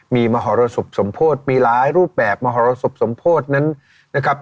มีมหรสบสมโพธิมีหลายรูปแบบมหรสบสมโพธินั้นนะครับ